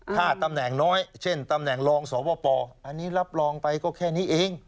ถ้าตำแหน่งน้อยเช่นตำแหน่งรองสวปอันนี้รับรองไปก็แค่นี้เอง